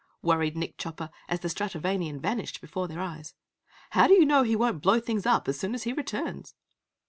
worried Nick Chopper, as the Stratovanian vanished before their eyes. "How do you know he won't blow things up as soon as he returns?"